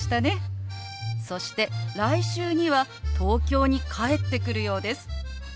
そして来週には東京に帰ってくるようです。